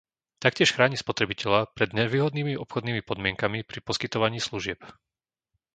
Taktiež chráni spotrebiteľa pred nevýhodnými obchodnými podmienkami pri poskytovaní služieb.